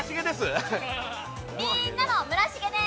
みーんなの村重です！